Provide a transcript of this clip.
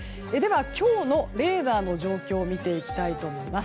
今日のレーダーの状況を見ていきたいと思います。